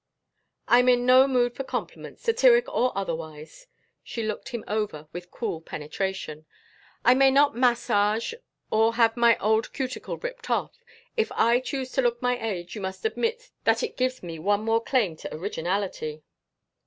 "I am in no mood for compliments, satiric or otherwise." She looked him over with cool penetration. "I may not massage or have my old cuticle ripped off. If I choose to look my age you must admit that it gives me one more claim to originality."